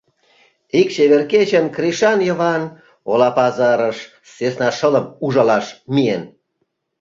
Ик чевер кечын Кришан Йыван ола пазарыш сӧсна шылым ужалаш миен.